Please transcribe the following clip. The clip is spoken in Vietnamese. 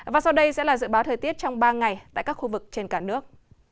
và sau đây sẽ là dự báo thời tiết trong ba ngày tại các khu vực trên cả nước